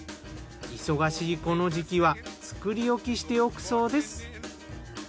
忙しいこの時期は作り置きしておくそうです。